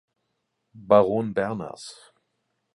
Baron Berners.